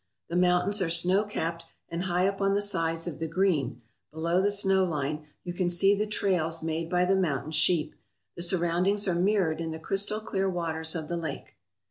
The mountains are snow capped, and high up on the sides of the green, below the snow line, you can see the trails made by the mountain sheep. The surroundings are mirrored in the crystal clear waters of the lake.